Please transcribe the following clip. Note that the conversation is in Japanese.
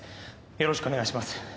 よろしくお願いします